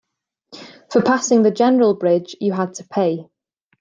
For passing the general bridge, you had to pay.